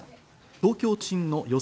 東京都心の予想